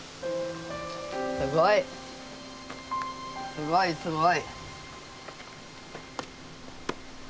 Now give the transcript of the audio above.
すごいすごい！